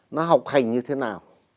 nó học hành như thế nào